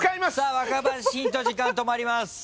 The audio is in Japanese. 若林ヒント時間止まります。